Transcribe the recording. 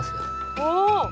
お！